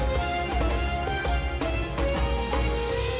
wassalamualaikum warahmatullahi wabarakatuh